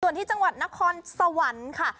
ส่วนที่จังหวัดนครสวรรค์ค่ะ